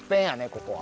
ここは。